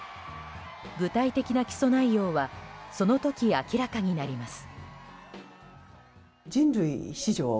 具体的な起訴内容はその時明らかになります。